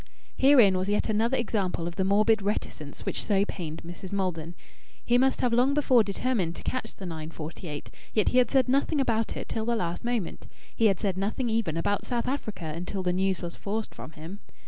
Herein was yet another example of the morbid reticence which so pained Mrs. Maldon. He must have long before determined to catch the 9.48; yet he had said nothing about it till the last moment! He had said nothing even about South Africa until the news was forced from him.